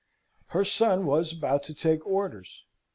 Her son was about to take orders.